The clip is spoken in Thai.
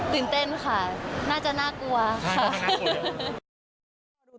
ตื่นเต้นค่ะน่าจะน่ากลัวค่ะ